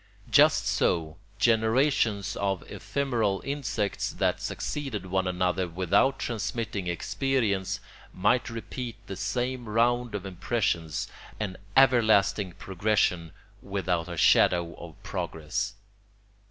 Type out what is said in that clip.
Just so generations of ephemeral insects that succeeded one another without transmitting experience might repeat the same round of impressions—an everlasting progression without a shadow of progress.